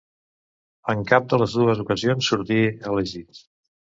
En cap de les dues ocasions sortí elegit.